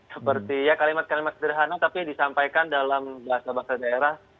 seperti ya kalimat kalimat sederhana tapi disampaikan dalam bahasa bahasa daerah